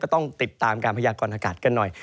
ก็ต้องติดตามการพยากราชการอากาศกันหน่อย